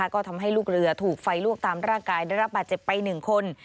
ก็ทำให้ลูกเรือถูกไฟลวกตามร่างกายได้รับบาดเจ็บไป๑คน